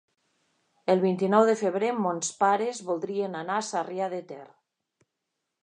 El vint-i-nou de febrer mons pares voldrien anar a Sarrià de Ter.